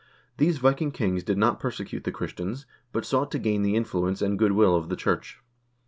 These Viking kings did not perse cute the Christians, but sought to gain the influence and good will of the church.